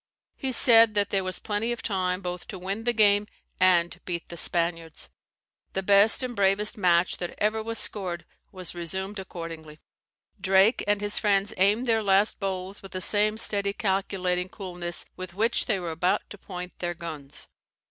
He said that there was plenty of time both to win the game and beat the Spaniards. The best and bravest match that ever was scored was resumed accordingly. Drake and his friends aimed their last bowls with the same steady calculating coolness with which they were about to point their guns.